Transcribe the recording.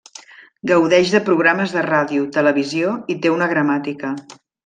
Gaudeix de programes de ràdio, televisió i té una gramàtica.